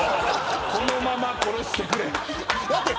このまま殺してくれ。